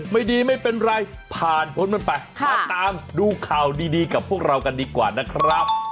ไม่ดีไม่เป็นไรผ่านพ้นมันไปมาตามดูข่าวดีกับพวกเรากันดีกว่านะครับ